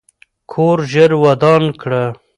کور ژر ودان کړه.